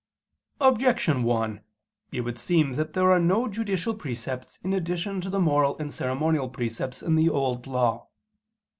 Objection 1: It would seem that there are no judicial precepts in addition to the moral and ceremonial precepts in the Old Law.